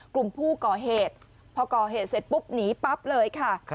กลุ่มผู้ก่อเหตุพอก่อเหตุเสร็จปุ๊บหนีปั๊บเลยค่ะ